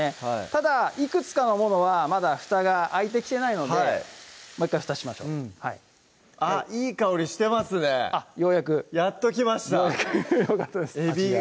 ただいくつかのものはまだふたが開いてきてないのでもう１回ふたしましょうあっいい香りしてますねあっようやくやっと来ましたようやくフフッよかったです